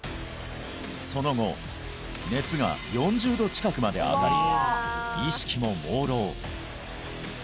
その後熱が４０度近くまで上がり意識ももうろう